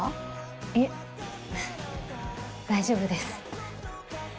いえっ大丈夫です